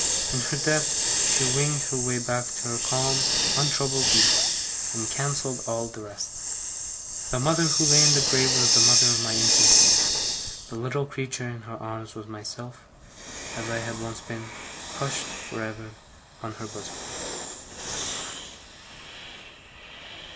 In her death she winged her way back to her calm untroubled youth, and cancelled all the rest. The mother who lay in the grave, was the mother of my infancy; the little creature in her arms, was myself, as I had once been, hushed for ever on her bosom.